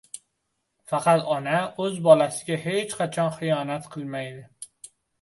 Faqat ona o‘z bolasiga hech qachon xiyonat qilmaydi.